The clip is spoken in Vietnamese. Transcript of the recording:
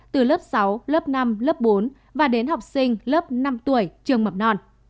từ lớp sáu lớp năm lớp bốn và đến học sinh lớp năm tuổi trường mầm non